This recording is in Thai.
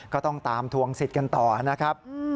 ก็ต้องตามทวงสิทธิ์กันต่อนะครับ